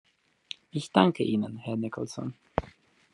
Ich danke Ihnen, Herr Nicholson.